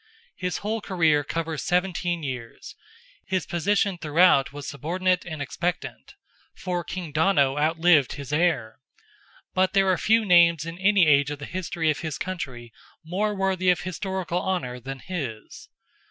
His whole career covers seventeen years; his position throughout was subordinate and expectant—for King Donogh outlived his heir: but there are few names in any age of the history of his country more worthy of historical honour than his.